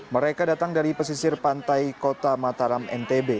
mereka datang dari pesisir pantai kota mataram ntb